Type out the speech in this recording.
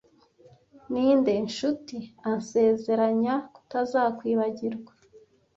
ninde nshuti ansezeranya kutazakwibagirwa